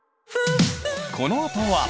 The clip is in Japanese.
このあとは。